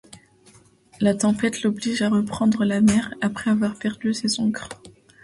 La tempête l'oblige à reprendre la mer après avoir perdu ses ancres.